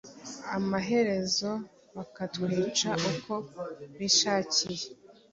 amaherezo bakatwica uko bishakiye